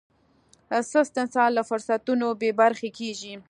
سست انسان له فرصتونو بې برخې کېږي.